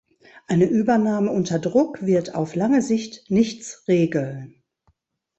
Eine Übernahme unter Druck wird auf lange Sicht nichts regeln.